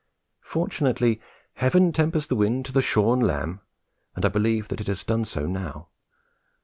Fortunately Heaven tempers the wind to the shorn lamb, and I believe it has done so now.